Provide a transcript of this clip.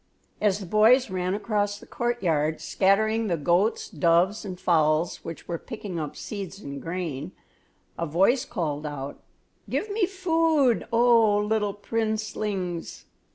As the boys ran across the courtyard, scattering the goats, doves, and fowls which were picking up seeds and grain, a voice called out: "Give me food, oh, little princelings!"